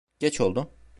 Geç oldu.